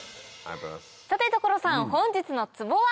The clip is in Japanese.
さて所さん本日のツボは？